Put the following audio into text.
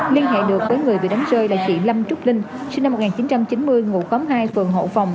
liên hệ được với người bị đánh rơi là chị lâm trúc linh sinh năm một nghìn chín trăm chín mươi ngụ khóm hai phường hậu phòng